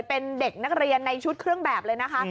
เป็นเด็กนักเรียนในชุดเครื่องแบบเลยนะคะ